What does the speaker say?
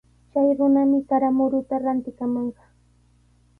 Chay runami sara muruta rantikamanqa.